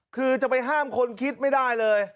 คือจะไปห้ามคนคิดไม่ได้เลย